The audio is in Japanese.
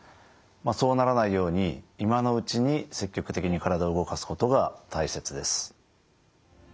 そうならないように今のうちに積極的に体を動かすことが大切です。